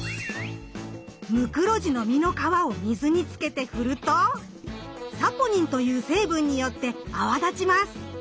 ムクロジの実の皮を水につけて振ると「サポニン」という成分によって泡立ちます。